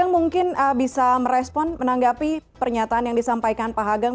mungkin bisa merespon menanggapi pernyataan yang disampaikan pak hageng